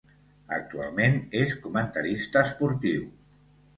Actualment és comentarista esportiu.